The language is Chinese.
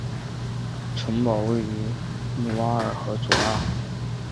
城堡位于卢瓦尔河右岸。